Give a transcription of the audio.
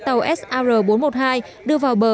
tàu sr bốn trăm một mươi hai đưa vào bờ